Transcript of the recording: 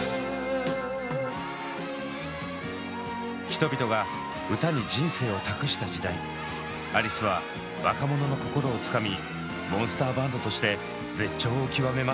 人々が歌に人生を託した時代アリスは若者の心をつかみモンスターバンドとして絶頂を極めます。